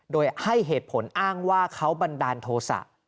โดยให้เหตุผลอ้างว่าเขาบันดาลโทษะ